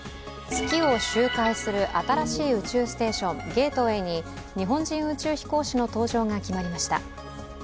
月を周回する新しい宇宙ステーション、ゲートウェイに日本人宇宙飛行士の搭乗が決まりました。